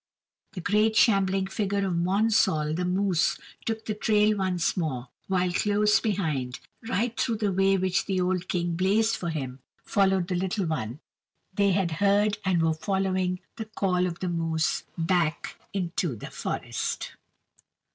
The great shambling figure of Monsall the moose took the trail once more, while close behind, right through the way which the old King blazed for him, followed the little one; they had heard and were following the call of the moose back into the forest.